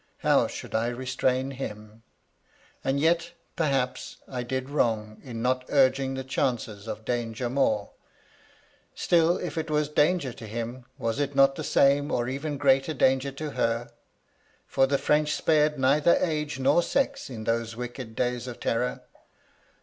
How should I restrain him ? And yet, perhaps, I did wrong in not urging the chances of danger more. Still, if it 114 MY LADY LUDLOW. was danger to him, was it not the same or even greater danger to her ?— ^for the French spared neither age nor sex in those wicked days of terror.